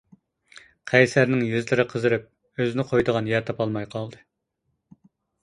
قەيسەرنىڭ يۈزلىرى قىزىرىپ، ئۆزىنى قويىدىغان يەر تاپالماي قالدى.